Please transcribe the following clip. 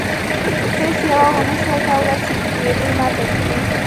هیڅ یوه ونشوای کولی چې ګېډۍ ماته کړي.